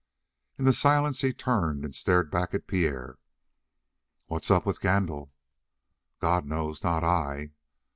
In the silence he turned and stared back at Pierre. "What's up with Gandil?" "God knows, not I."